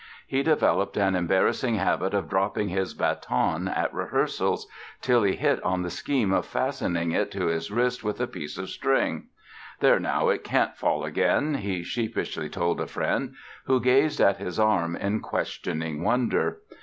He developed an embarrassing habit of dropping his baton at rehearsals, till he hit on the scheme of fastening it to his wrist with a piece of string! "There, now it can't fall again!", he sheepishly told a friend who gazed at his arm in questioning wonder.